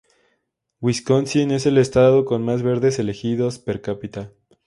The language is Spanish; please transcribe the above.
Wisconsin es el estado con más verdes elegidos per cápita.